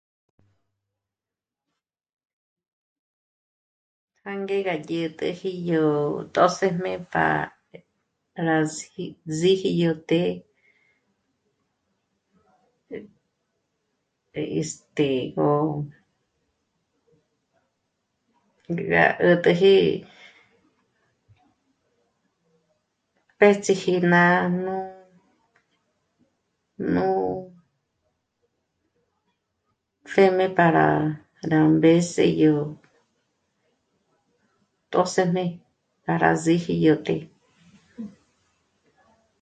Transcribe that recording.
Jângé gá dyä̀'täji jó tjṓsëjme para síji yó té. este... gö... gá 'ä̀t'äji b'ëch'iji nájnù nú pjème para rá mbés'e yó tjṓsëjme para síji yó té